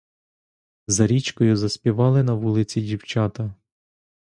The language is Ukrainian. За річкою заспівали на вулиці дівчата.